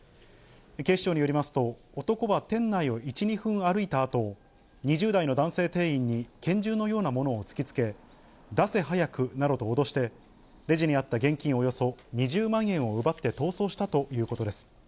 警視庁によりますと、男は店内を１、２分歩いたあと、２０代の男性店員に拳銃のようなものを突きつけ、出せ、早くなどと脅して、レジにあった現金およそ２０万円を奪って逃走したということです。